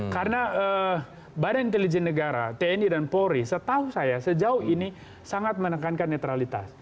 karena badan intelijen negara tni dan polri setahu saya sejauh ini sangat menekankan netralitas